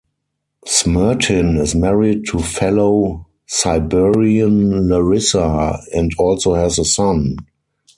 Smertin is married to fellow Siberian Larisa, and also has a son.